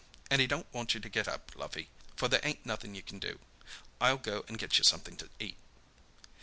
An' he don't want you to get up, lovey, for there ain't nothin' you can do. I'll go and get you something to eat."